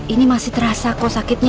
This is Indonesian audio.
ini masih terasa kok sakitnya